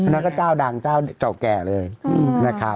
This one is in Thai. นักก็เจ้าดังเจ้าแก่เลยนะครับ